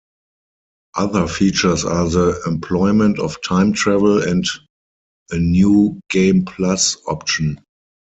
Other features are the employment of time travel and a "New Game Plus" option.